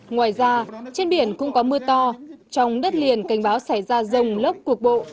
ngoài ra trên biển cũng có mưa to trong đất liền cảnh báo xảy ra rồng lốc cuộc bộ